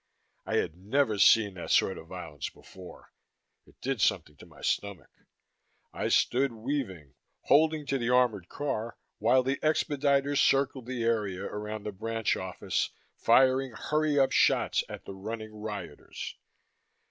I had never seen that sort of violence before. It did something to my stomach. I stood weaving, holding to the armored car, while the expediters circled the area around the branch office, firing hurry up shots at the running rioters.